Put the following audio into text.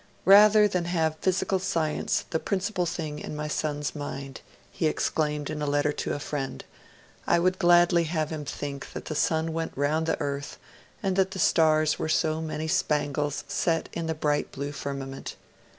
'Rather than have physical science the principal thing in my son's mind,' he exclaimed in a letter to a friend, I would gladly have him think that the sun went around the earth, and that the stars were so many spangles set in the bright blue firmament.